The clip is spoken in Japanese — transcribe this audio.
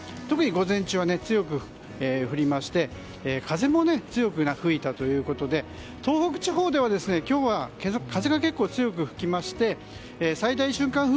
特に午前中は強く降りまして風も強く吹いたということで東北地方では今日は風が結構、強く吹きまして最大瞬間